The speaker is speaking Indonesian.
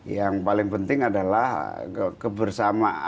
yang paling penting adalah ya ini kan saya sudah berpikir ya ini kan saya sudah berpikir